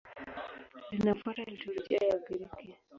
Linafuata liturujia ya Ugiriki.